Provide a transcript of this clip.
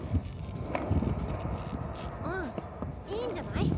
うんいいんじゃない。